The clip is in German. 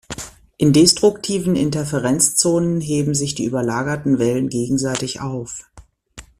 In destruktiven Interferenzzonen heben sich die überlagerten Wellen gegenseitig auf.